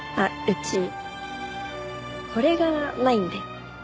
うちこれがないんで。